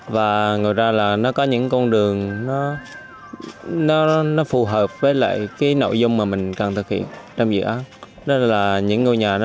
và ngồi ra là nó có những con đường nó phù hợp với lại cái nội dung mà mình cần thực hiện trong dự án